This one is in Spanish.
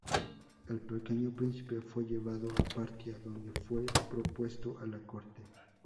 El pequeño príncipe fue llevado a Partia, donde fue propuesto a la corte.